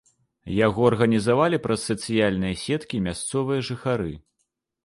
Яго арганізавалі праз сацыяльныя сеткі мясцовыя жыхары.